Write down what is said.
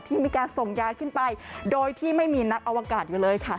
มีการส่งยาขึ้นไปโดยที่ไม่มีนักอวกาศอยู่เลยค่ะ